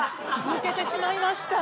抜けてしまいました。